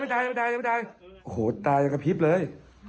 ไม่ตายตายอย่างกับพิษเลย